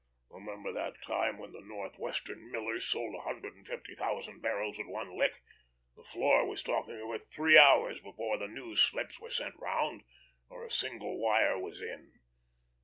Remember that time when the Northwestern millers sold a hundred and fifty thousand barrels at one lick? The floor was talking of it three hours before the news slips were sent 'round, or a single wire was in.